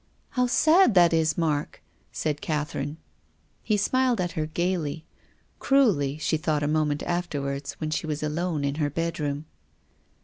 " How sad that is, Mark !" said Catherine. He smiled at her gaily — cruelly, she thought a moment afterwards when she was alone in her bedroom.